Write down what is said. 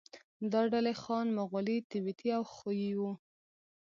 دا ډلې خان، مغولي، تبتي او خویي وو.